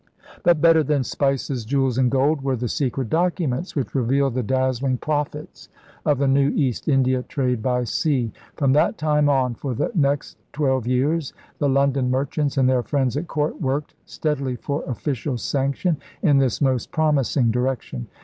But better than spices, jewels, and gold were the secret documents which revealed the dazzling profits of the new East India trade by sea. From that time on for the next twelve years the London merchants and their friends at court worked stead ily for official sanction in this most promising direc tion.